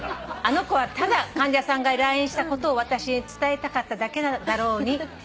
「あの子はただ患者さんが来院したことを私に伝えたかっただけだろうに」